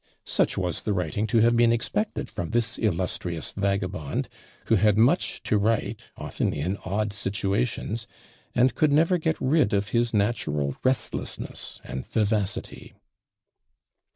Such was the writing to have been expected from this illustrious vagabond, who had much to write, often in odd situations, and could never get rid of his natural restlessness and vivacity.